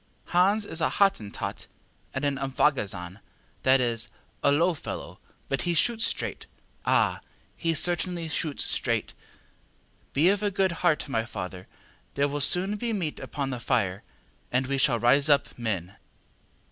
Hans is a Hottentot, and an ŌĆ£umfagozan, ŌĆØ that is, a low fellow, but he shoots straight ah! he certainly shoots straight. Be of a good heart, my father, there will soon be meat upon the fire, and we shall rise up men.